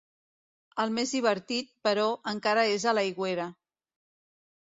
El més divertit, però, encara és a l'aigüera.